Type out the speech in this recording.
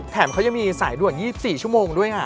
เขายังมีสายด่วน๒๔ชั่วโมงด้วย